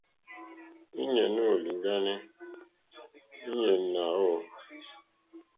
Íɲá nóò lìŋɡáné from íɲá ná ò.